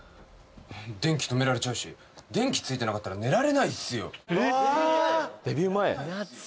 電気止められちゃうし電気ついてなかったら寝られないっすよえっデビュー前？